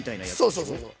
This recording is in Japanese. そうそうそうそう。